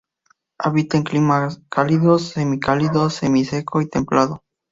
Habita en climas cálido, semicálido, semiseco y templado.